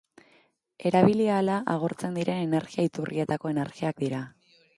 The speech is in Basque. Erabili ahala agortzen diren energia-iturrietako energiak dira.